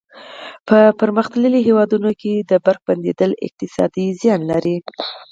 په پرمختللو هېوادونو کې د برېښنا بندېدل اقتصادي زیان لري.